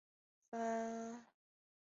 带出旅馆边吃午餐